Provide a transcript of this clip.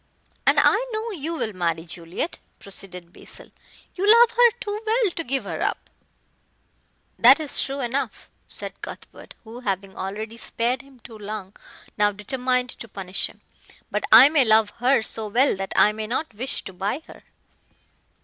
"And I know you will marry Juliet," proceeded Basil, "you love her too well to give her up." "That is true enough," said Cuthbert, who, having already spared him too long, now determined to punish him, "but I may love her so well that I may not wish to buy her."